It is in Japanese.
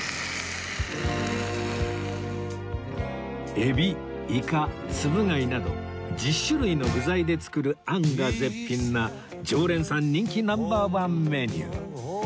海老イカつぶ貝など１０種類の具材で作るあんが絶品な常連さん人気ナンバーワンメニュー